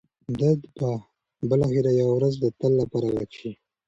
درد به بالاخره یوه ورځ د تل لپاره ورک شي.